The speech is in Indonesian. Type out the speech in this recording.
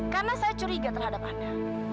karena saya curiga terhadap anda